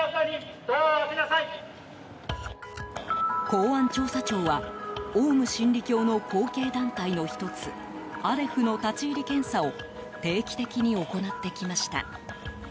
公安調査庁はオウム真理教の後継団体の１つアレフの立ち入り検査を定期的に行ってきました。